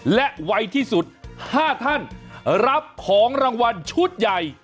และไวที่สุด๕ท่านรับของรางวัลชุดใหญ่